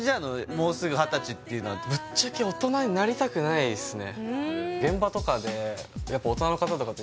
もうすぐ二十歳っていうのはぶっちゃけ大人になりたくないですね